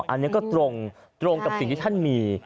อันนี้ก็ตรงตรงกับสิ่งที่ท่านมี